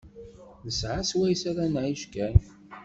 Nesεa swayes ara nεic kan.